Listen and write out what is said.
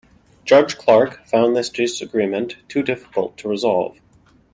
Judge Clark found this disagreement difficult to resolve.